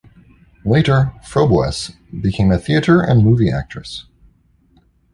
Later, Froboess became a theatre and movie actress.